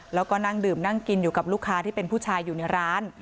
แล้วก็นั่งดื่มนั่งกินอยู่กับลูกค้าที่เป็นผู้ชายอยู่ในร้าน